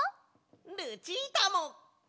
ルチータも！